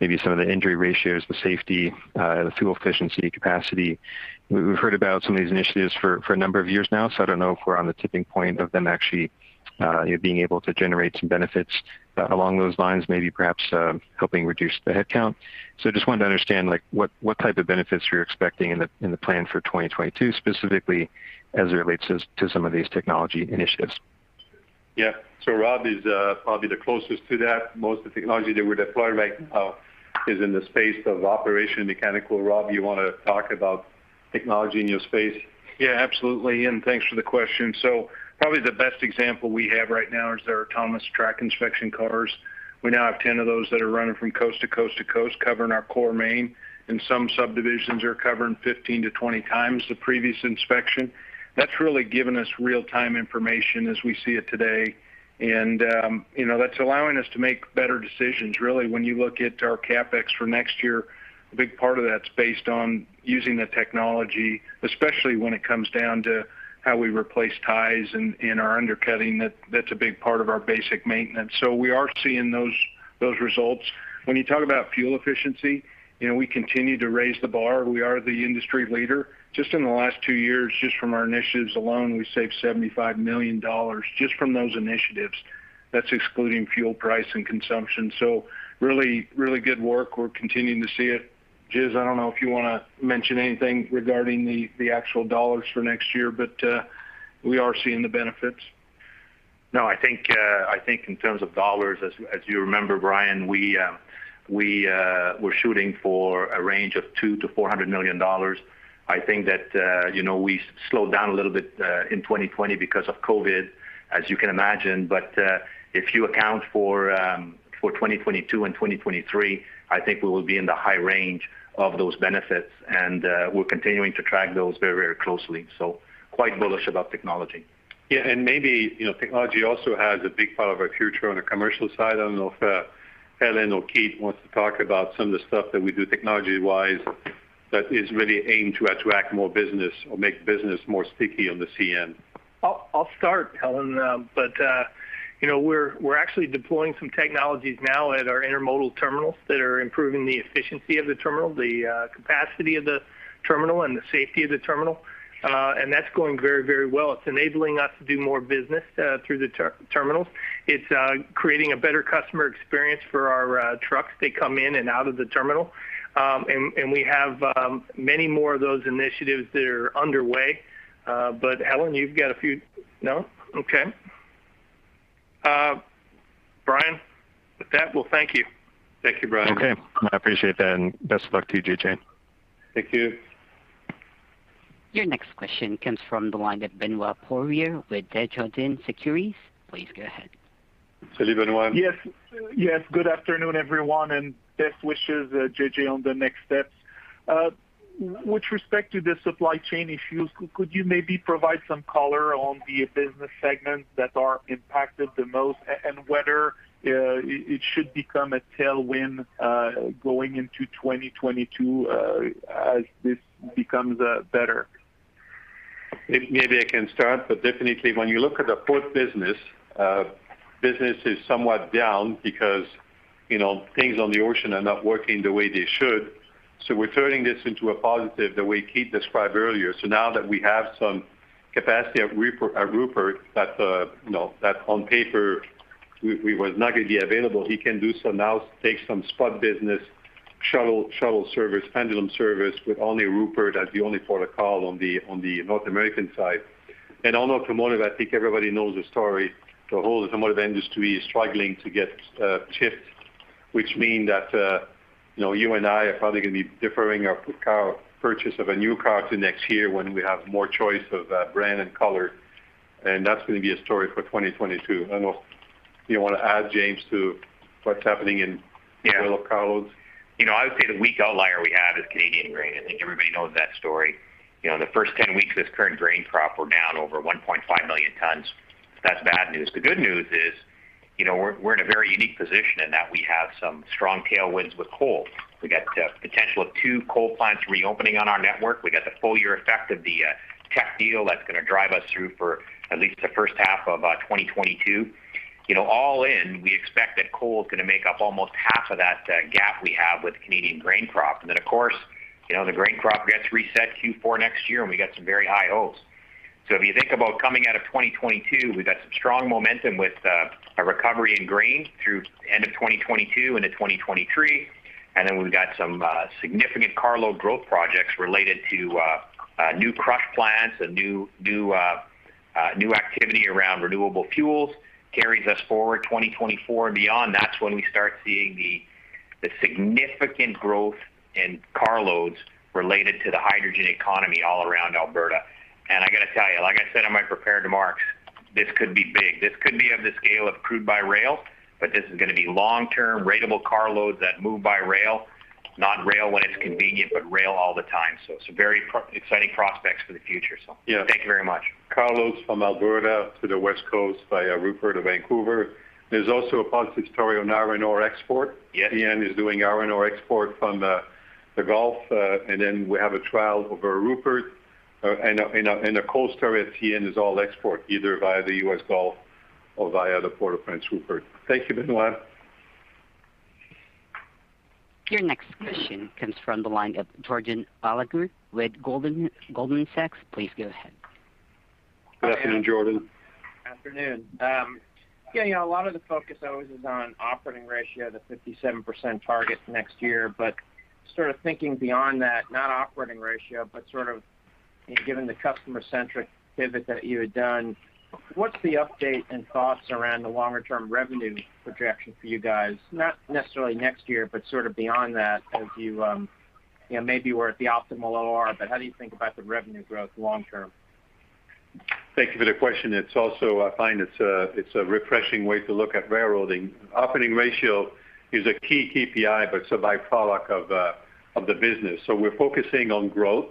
S18: maybe some of the injury ratios, the safety, the fuel efficiency, capacity. We've heard about some of these initiatives for a number of years now, so I don't know if we're on the tipping point of them actually being able to generate some benefits along those lines, maybe perhaps helping reduce the headcount. I just wanted to understand what type of benefits you're expecting in the plan for 2022, specifically as it relates to some of these technology initiatives.
S3: Yeah. Rob is probably the closest to that. Most of the technology that we're deploying right now is in the space of operation mechanical. Rob, you want to talk about technology in your space?
S5: Yeah, absolutely. Thanks for the question. Probably the best example we have right now is our autonomous track inspection cars. We now have 10 of those that are running from coast to coast to coast, covering our core main. In some subdivisions, they're covering 15 to 20 times the previous inspection. That's really given us real-time information as we see it today, and that's allowing us to make better decisions, really. When you look at our CapEx for next year, a big part of that's based on using the technology, especially when it comes down to how we replace ties and our undercutting. That's a big part of our basic maintenance. We are seeing those results. When you talk about fuel efficiency, we continue to raise the bar. We are the industry leader. Just in the last two years, just from our initiatives alone, we saved CAD 75 million just from those initiatives. That's excluding fuel price and consumption. Really good work. We're continuing to see it. Ghislain, I don't know if you want to mention anything regarding the actual dollars for next year, but we are seeing the benefits.
S4: No, I think in terms of dollars, as you remember, Brian, we're shooting for a range of 200 million-400 million dollars. I think that we slowed down a little bit in 2020 because of COVID, as you can imagine. If you account for 2022 and 2023, I think we will be in the high range of those benefits, and we're continuing to track those very closely. Quite bullish about technology.
S5: Maybe technology also has a big part of our future on the commercial side. I don't know if Helen or Keith wants to talk about some of the stuff that we do technology-wise that is really aimed to attract more business or make business more sticky on the CN.
S6: I'll start, Helen. We're actually deploying some technologies now at our intermodal terminals that are improving the efficiency of the terminal, the capacity of the terminal, and the safety of the terminal. That's going very well. It's enabling us to do more business through the terminals. It's creating a better customer experience for our trucks that come in and out of the terminal. We have many more of those initiatives that are underway. Helen, you've got a few. No? Okay. Brian, with that, well, thank you. Thank you, Brian.
S18: Okay. I appreciate that, and best of luck to you, JJ.
S3: Thank you.
S1: Your next question comes from the line of Benoit Poirier with Desjardins Securities. Please go ahead.
S3: Salut, Benoit.
S19: Yes. Good afternoon, everyone, and best wishes, JJ, on the next steps. With respect to the supply chain issues, could you maybe provide some color on the business segments that are impacted the most and whether it should become a tailwind going into 2022 as this becomes better?
S3: Maybe I can start. Definitely when you look at the port business is somewhat down because things on the ocean are not working the way they should. We're turning this into a positive the way Keith described earlier. Now that we have some capacity at Rupert that on paper was not going to be available, he can do so now, take some spot business, shuttle service, pendulum service with only Rupert as the only port of call on the North American side. On automotive, I think everybody knows the story. The whole automotive industry is struggling to get chips, which mean that you and I are probably going to be deferring our purchase of a new car to next year when we have more choice of brand and color. That's going to be a story for 2022. I don't know if you want to add, James, to what's happening.
S7: Yeah.
S3: Rail car loads.
S7: I would say the weak outlier we have is Canadian grain. I think everybody knows that story. The first 10 weeks of this current grain crop, we're down over 1.5 million tons. That's bad news. The good news is, we're in a very unique position in that we have some strong tailwinds with coal. We've got the potential of two coal plants reopening on our network. We've got the full year effect of the Teck deal that's going to drive us through for at least the first half of 2022. All in, we expect that coal is going to make up almost half of that gap we have with Canadian grain crop. Of course, the grain crop gets reset Q4 next year, and we got some very high hopes. If you think about coming out of 2022, we've got some strong momentum with a recovery in grain through end of 2022 into 2023. Then we've got some significant car load growth projects related to new crush plants and new activity around renewable fuels, carries us forward 2024 and beyond. That's when we start seeing the significant growth in car loads related to the hydrogen economy all around Alberta. I got to tell you, like I said on my prepared remarks, this could be big. This could be of the scale of crude by rail, but this is going to be long-term ratable car loads that move by rail. Not rail when it's convenient, but rail all the time. Some very exciting prospects for the future.
S3: Yeah.
S7: Thank you very much.
S3: Car loads from Alberta to the West Coast via Rupert or Vancouver. There is also a positive story on iron ore export.
S7: Yes.
S3: CN is doing iron ore export from the Gulf, and then we have a trial over Rupert, and a coal story at CN is all export, either via the U.S. Gulf or via the Port of Prince Rupert.
S19: Thank you very much.
S1: Your next question comes from the line of Jordan Alliger with Goldman Sachs. Please go ahead.
S3: Good afternoon, Jordan.
S20: Afternoon. Yeah, a lot of the focus always is on operating ratio, the 57% target next year. Sort of thinking beyond that, not operating ratio, sort of given the customer-centric pivot that you had done, what's the update and thoughts around the longer-term revenue projection for you guys? Not necessarily next year, sort of beyond that as you maybe we're at the optimal OR, how do you think about the revenue growth long term?
S3: Thank you for the question. It's also, I find it's a refreshing way to look at railroading. Operating ratio is a key KPI, but it's a byproduct of the business. We're focusing on growth.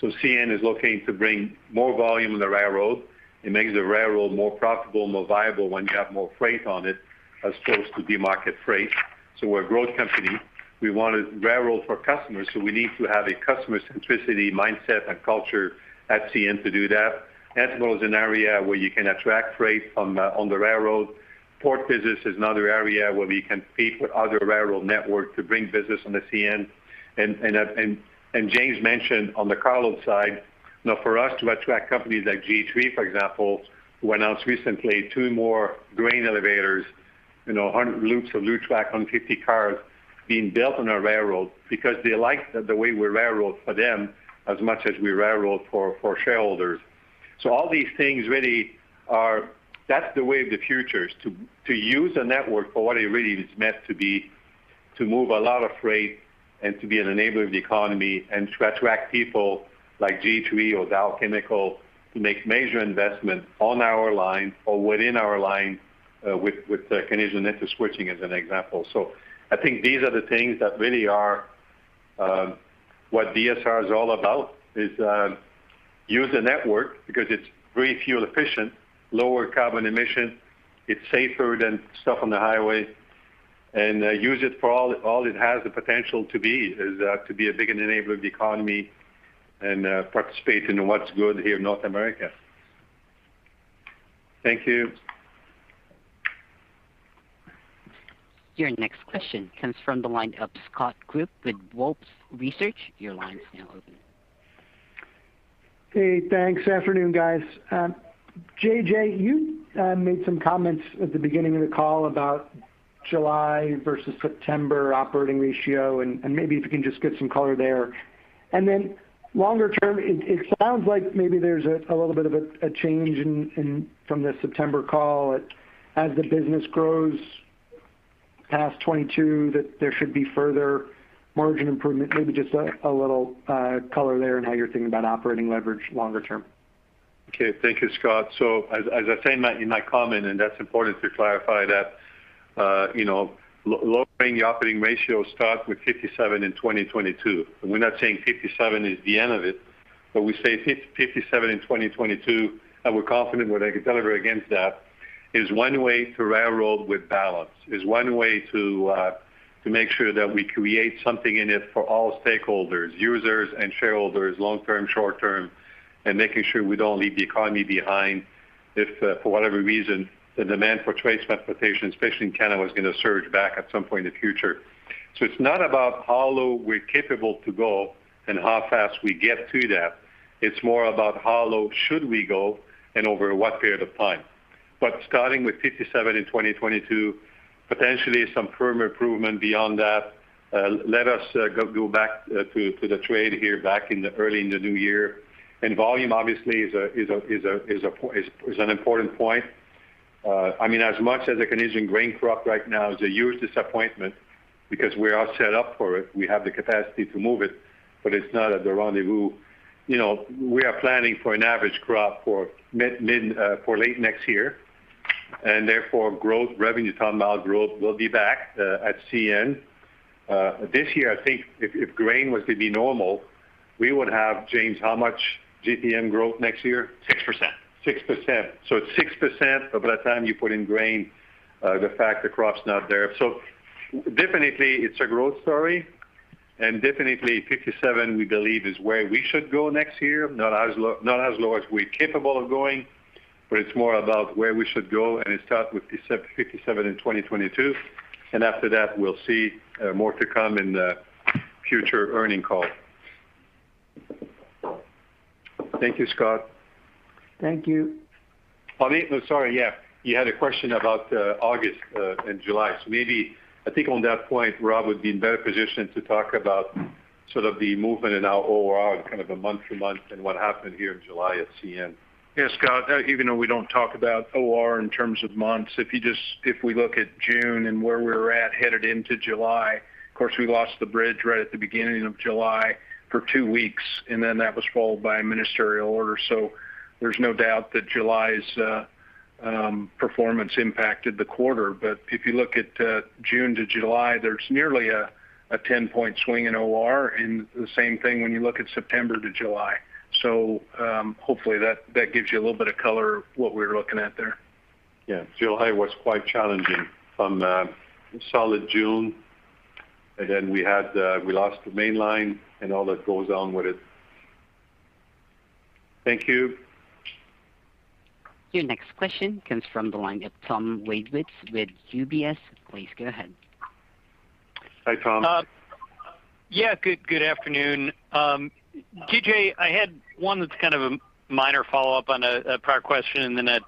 S3: CN is looking to bring more volume on the railroad. It makes the railroad more profitable and more viable when you have more freight on it as opposed to de-market freight. We're a growth company. We want to railroad for customers, so we need to have a customer centricity mindset and culture at CN to do that. That involves an area where you can attract freight on the railroad. Port business is another area where we compete with other railroad networks to bring business onto CN. James mentioned on the car load side, for us to attract companies like G3, for example, who announced recently two more grain elevators, loops of loop track, 150 cars being built on our railroad because they like the way we railroad for them as much as we railroad for shareholders. That's the way of the future, is to use a network for what it really is meant to be, to move a lot of freight and to be an enabler of the economy and to attract people like G3 or Dow Chemical to make major investments on our line or within our line with Canadian interswitching as an example. I think these are the things that really are what DSR is all about is use the network because it's very fuel efficient, lower carbon emission, it's safer than stuff on the highway, and use it for all it has the potential to be, is to be a big enabler of the economy and participate in what's good here in North America. Thank you.
S1: Your next question comes from the line of Scott Group with Wolfe Research. Your line is now open.
S21: Hey, thanks. Afternoon, guys. JJ, you made some comments at the beginning of the call about July versus September operating ratio. Maybe if you can just give some color there. Longer term, it sounds like maybe there's a little bit of a change from the September call as the business grows past 2022, that there should be further margin improvement. Maybe just a little color there on how you're thinking about operating leverage longer term.
S3: Okay. Thank you, Scott. As I said in my comment, that's important to clarify that lowering the operating ratio starts with 57 in 2022. We're not saying 57 is the end of it, but we say 57 in 2022, and we're confident what I could deliver against that, it is one way to railroad with balance. It is one way to make sure that we create something in it for all stakeholders, users and shareholders, long term, short term, and making sure we don't leave the economy behind. If for whatever reason, the demand for trade transportation, especially in Canada, was going to surge back at some point in the future. It's not about how low we're capable to go and how fast we get to that. It's more about how low should we go and over what period of time. Starting with 57 in 2022, potentially some firm improvement beyond that. Let us go back to the trade here back early in the new year. Volume obviously is an important point. As much as the Canadian grain crop right now is a huge disappointment because we are set up for it. We have the capacity to move it, but it's not at the rendezvous. We are planning for an average crop for late next year, and therefore, revenue ton mile growth will be back at CN. This year, I think if grain was to be normal, we would have, James, how much RTM growth next year?
S7: 6%.
S3: It's 6%, but by the time you put in grain, the fact the crop's not there. Definitely it's a growth story, and definitely 57%, we believe, is where we should go next year. Not as low as we're capable of going, but it's more about where we should go, and it starts with 57% in 2022. After that, we'll see more to come in the future earning call. Thank you, Scott.
S21: Thank you.
S3: Amit, sorry, yeah. You had a question about August and July. Maybe, I think on that point, Rob would be in better position to talk about sort of the movement in our OR kind of the month-to-month and what happened here in July at CN.
S5: Yes, Scott. Even though we don't talk about OR in terms of months, if we look at June and where we were at headed into July, of course, we lost the bridge right at the beginning of July for two weeks, and then that was followed by a ministerial order. There's no doubt that July's performance impacted the quarter. If you look at June to July, there's nearly a 10-point swing in OR, and the same thing when you look at September to July. Hopefully that gives you a little bit of color of what we're looking at there.
S3: Yeah. July was quite challenging from a solid June, and then we lost the main line and all that goes on with it. Thank you.
S1: Your next question comes from the line of Tom Wadewitz with UBS. Please go ahead.
S3: Hi, Tom.
S22: Good afternoon. JJ, I had one that's kind of a minor follow-up on a prior question and then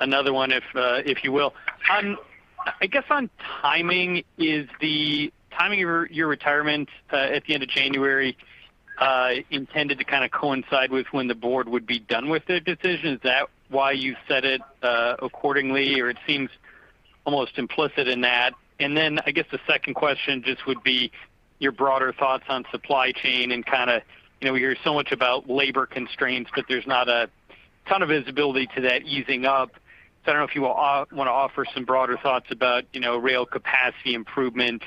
S22: another one, if you will. I guess on timing, is the timing of your retirement at the end of January intended to kind of coincide with when the board would be done with their decision? Is that why you set it accordingly, or it seems almost implicit in that? I guess the second question just would be your broader thoughts on supply chain and kind of, we hear so much about labor constraints, but there's not a ton of visibility to that easing up. I don't know if you want to offer some broader thoughts about rail capacity improvement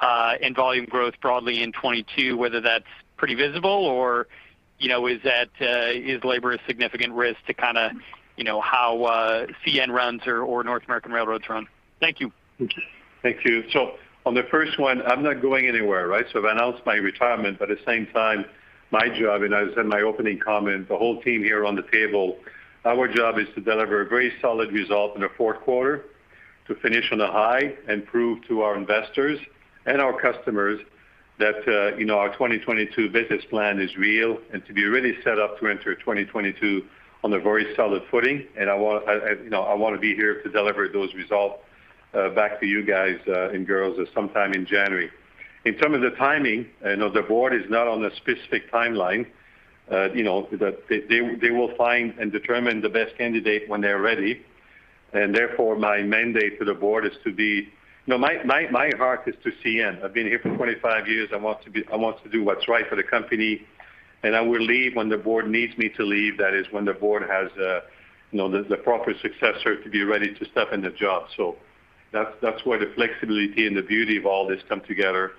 S22: and volume growth broadly in 2022, whether that's pretty visible or is labor a significant risk to how CN runs or North American railroads run? Thank you.
S3: Thank you. On the first one, I'm not going anywhere, right? I've announced my retirement. At the same time, my job, and as in my opening comment, the whole team here on the table, our job is to deliver a very solid result in the fourth quarter to finish on a high and prove to our investors and our customers that our 2022 business plan is real and to be really set up to enter 2022 on a very solid footing. I want to be here to deliver those results back to you guys and girls sometime in January. In terms of the timing, I know the board is not on a specific timeline. They will find and determine the best candidate when they're ready, and therefore my mandate to the board. My heart is to CN. I've been here for 25 years. I want to do what's right for the Company, and I will leave when the Board needs me to leave. That is when the Board has the proper successor to be ready to step in the job. That's where the flexibility and the beauty of all this come together.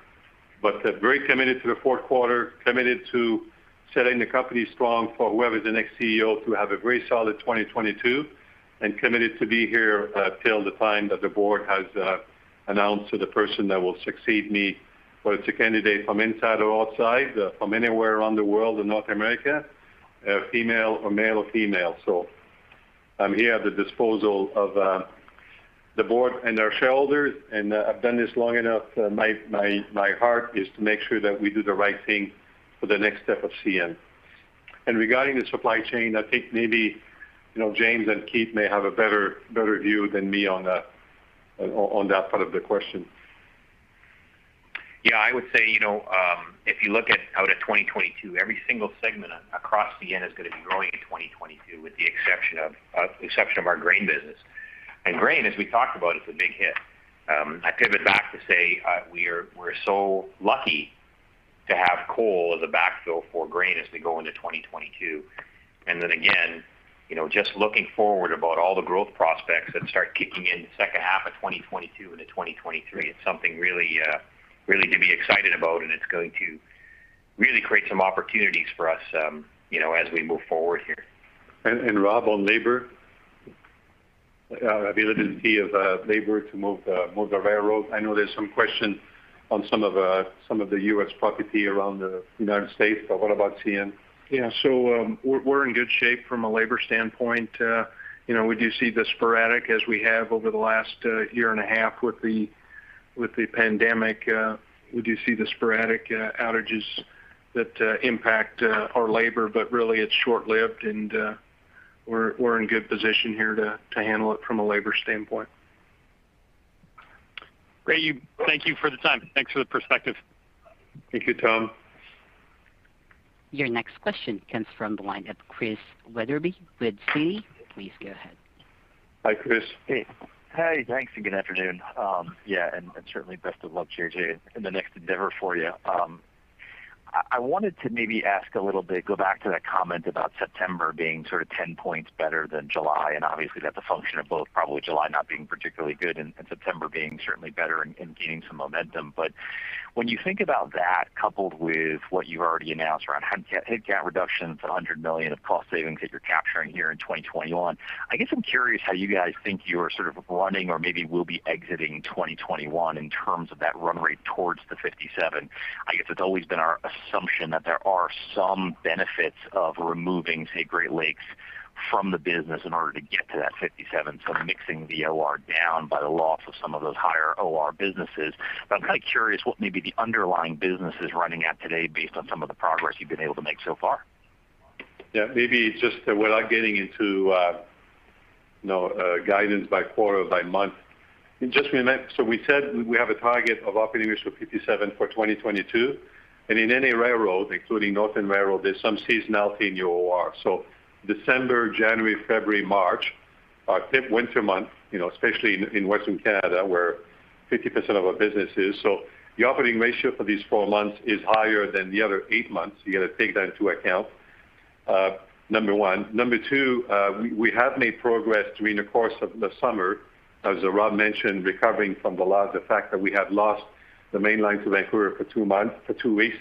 S3: Very committed to the fourth quarter, committed to setting the Company strong for whoever the next CEO to have a very solid 2022, and committed to be here till the time that the Board has announced the person that will succeed me, whether it's a candidate from inside or outside, from anywhere around the world or North America, male or female. I'm here at the disposal of the Board and their shareholders, and I've done this long enough. My heart is to make sure that we do the right thing for the next step of CN. Regarding the supply chain, I think maybe James and Keith may have a better view than me on that part of the question.
S7: I would say, if you look out at 2022, every single segment across CN is going to be growing in 2022 with the exception of our grain business. Grain, as we talked about, is a big hit. I pivot back to say we're so lucky to have coal as a backfill for grain as we go into 2022. Again, just looking forward about all the growth prospects that start kicking in the second half of 2022 into 2023, it's something really to be excited about, and it's going to really create some opportunities for us as we move forward here.
S3: Rob, on labor? The ability of labor to move the railroad. I know there's some question on some of the U.S. property around the United States, but what about CN?
S5: Yeah. We're in good shape from a labor standpoint. We do see the sporadic, as we have over the last year and a half with the pandemic, we do see the sporadic outages that impact our labor, but really it's short-lived and we're in good position here to handle it from a labor standpoint.
S22: Great. Thank you for the time. Thanks for the perspective.
S3: Thank you, Tom.
S1: Your next question comes from the line of Chris Wetherbee with Citi. Please go ahead.
S3: Hi, Chris. Hey.
S23: Hey, thanks and good afternoon. Yeah, certainly best of luck, JJ, in the next endeavor for you. I wanted to maybe ask a little bit, go back to that comment about September being sort of 10 points better than July, and obviously that's a function of both probably July not being particularly good and September being certainly better and gaining some momentum. When you think about that coupled with what you already announced around head count reduction, it's 100 million of cost savings that you're capturing here in 2021. I guess I'm curious how you guys think you're sort of running or maybe will be exiting 2021 in terms of that run rate towards the 57. I guess it's always been our assumption that there are some benefits of removing, say, Great Lakes from the business in order to get to that 57%, so mixing the OR down by the loss of some of those higher OR businesses. I'm kind of curious what maybe the underlying business is running at today based on some of the progress you've been able to make so far.
S3: Yeah, maybe just without getting into guidance by quarter or by month. We said we have a target of operating ratio 57 for 2022. In any railroad, including northern railroad, there's some seasonality in your OR. December, January, February, March, our winter month, especially in Western Canada where 50% of our business is. The operating ratio for these four months is higher than the other eight months. You got to take that into account, number one. Number two, we have made progress during the course of the summer, as Rob mentioned, recovering from the loss, the fact that we had lost the main line to Vancouver for two weeks,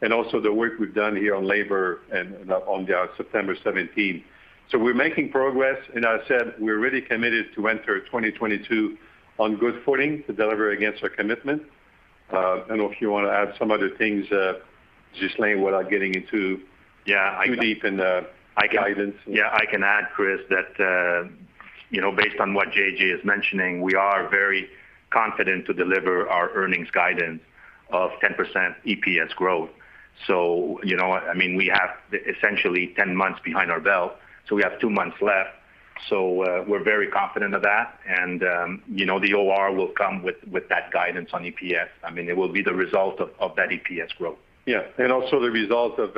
S3: and also the work we've done here on labor and on the September 17. We're making progress, and as I said, we're really committed to enter 2022 on good footing to deliver against our commitment. I don't know if you want to add some other things, Ghislain, without getting too deep in the guidance.
S4: Yeah, I can add, Chris, that based on what JJ is mentioning, we are very confident to deliver our earnings guidance of 10% EPS growth. We have essentially 10 months behind our belt. We have two months left. We're very confident of that and the OR will come with that guidance on EPS. It will be the result of that EPS growth.
S3: Yeah, and also the result of,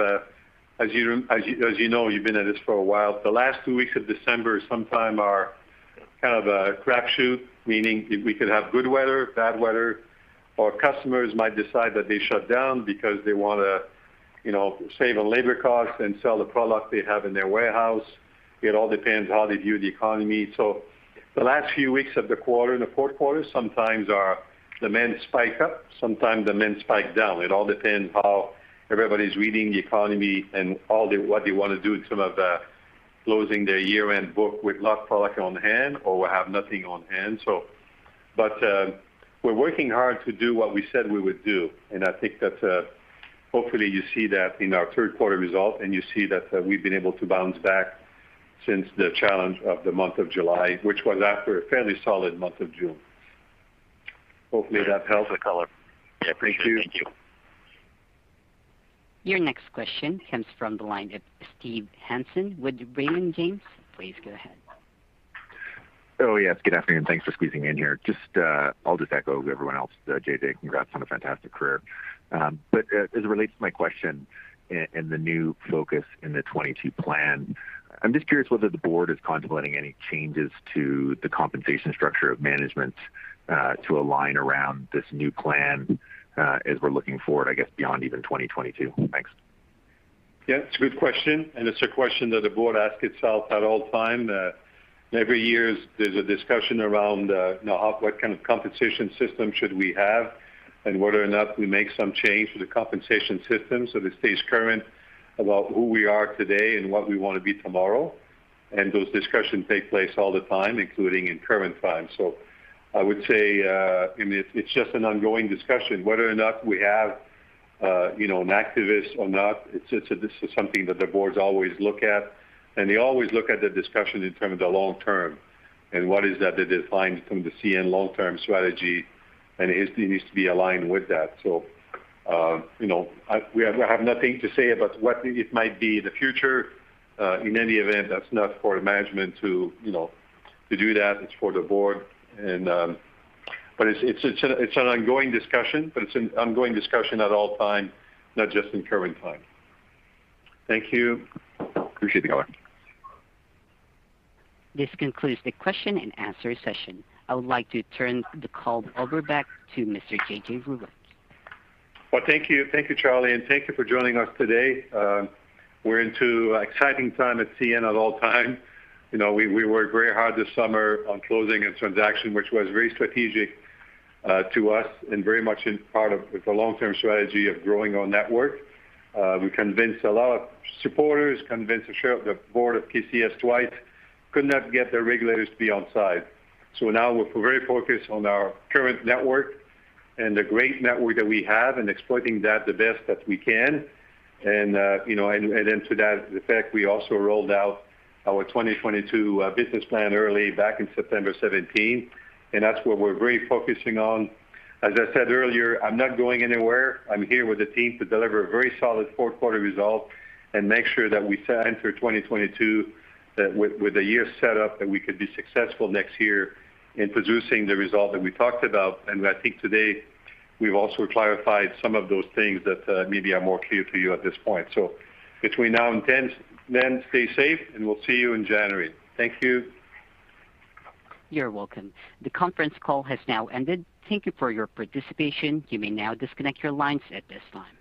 S3: as you know, you've been at this for a while, the last two weeks of December sometime are kind of a crapshoot, meaning we could have good weather, bad weather, or customers might decide that they shut down because they want to save on labor costs and sell the product they have in their warehouse. It all depends how they view the economy. The last few weeks of the quarter in the fourth quarter sometimes demand spike up, sometimes demand spike down. It all depends how everybody's reading the economy and what they want to do in terms of closing their year-end book with lot product on hand or have nothing on hand. We're working hard to do what we said we would do, and I think that hopefully you see that in our third quarter result and you see that we've been able to bounce back since the challenge of the month of July, which was after a fairly solid month of June. Hopefully that helps.
S23: I appreciate it. Thank you.
S1: Your next question comes from the line of Steve Hansen with Raymond James. Please go ahead.
S24: Oh, yes. Good afternoon. Thanks for squeezing me in here. I'll just echo everyone else, JJ, congrats on a fantastic career. As it relates to my question and the new focus in the 2022 plan, I'm just curious whether the board is contemplating any changes to the compensation structure of management to align around this new plan as we're looking forward, I guess, beyond even 2022. Thanks.
S3: Yeah, it's a good question, and it's a question that the board asks itself at all time. Every year there's a discussion around what kind of compensation system should we have and whether or not we make some change to the compensation system so it stays current about who we are today and what we want to be tomorrow. Those discussions take place all the time, including in current time. I would say it's just an ongoing discussion whether or not we have an activist or not. This is something that the boards always look at, and they always look at the discussion in terms of the long-term and what is that they defined from the CN long-term strategy, and it needs to be aligned with that. I have nothing to say about what it might be in the future. In any event, that's not for management to do that. It's for the board. It's an ongoing discussion at all time, not just in current time.
S24: Thank you. Appreciate the call.
S1: This concludes the question and answer session. I would like to turn the call over back to Mr. JJ Ruest.
S3: Well, thank you. Thank you, Charlie, and thank you for joining us today. We're into exciting time at CN at all time. We worked very hard this summer on closing a transaction which was very strategic to us and very much in part of the long-term strategy of growing our network. We convinced a lot of supporters, convinced the board of KCS twice, could not get the regulators to be on side. Now we're very focused on our current network and the great network that we have and exploiting that the best that we can. To that effect, we also rolled out our 2022 business plan early back in September 17, and that's where we're very focusing on. As I said earlier, I'm not going anywhere. I'm here with the team to deliver a very solid fourth quarter result and make sure that we enter 2022 with a year set up that we could be successful next year in producing the result that we talked about. I think today we've also clarified some of those things that maybe are more clear to you at this point. Between now and then, stay safe, and we'll see you in January. Thank you.
S1: You're welcome. The conference call has now ended. Thank you for your participation. You may now disconnect your lines at this time.